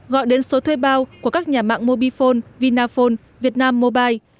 gọi đến số thuê bao của các nhà mạng mobifone vinaphone vietnam mobile